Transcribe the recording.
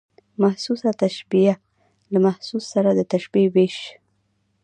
محسوس تشبیه له محسوس سره د تشبېه وېش.